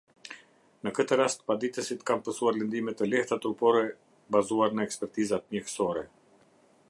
Në këtë rast paditësit kanë pësuar lëndime të lehta trupore bazuar ne ekspertizat mjekësore.